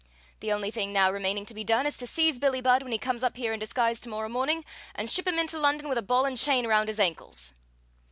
The only thing now remaining to be done is to seize Billie Budd when he comes up here in disguise to morrow morning, and ship him into London with a ball and chain around his ankles."